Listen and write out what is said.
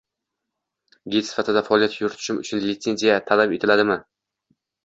Gid sifatida faoliyat yuritishim uchun litsenziya talab etiladimi?